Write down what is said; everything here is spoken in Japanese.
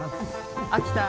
秋田。